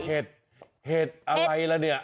เห็ดเห็ดอะไรล่ะเนี่ย